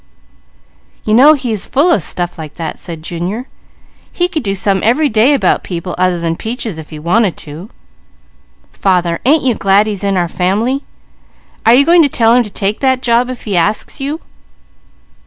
"You know he is full of stuff like that," said Junior. "He could do some every day about people other than Peaches if he wanted to. Father, ain't you glad he's in our family? Are you going to tell him to take that job if he asks you?"